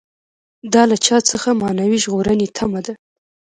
دا له چا څخه معنوي ژغورنې تمه ده.